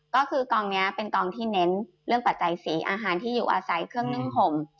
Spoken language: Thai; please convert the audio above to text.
ก็คือกองนี้เป็นกองที่เน้นเรื่องปัจจัยสีอาหารที่อยู่อาศัยเครื่องนึ่งห่ม